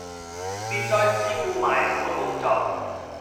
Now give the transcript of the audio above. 別再只顧埋首工作